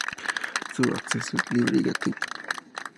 Su acceso es libre y gratuito.